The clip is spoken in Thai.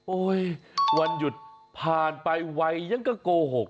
วันหยุดผ่านไปวัยยังก็โกหก